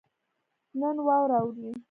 نن واوره اوري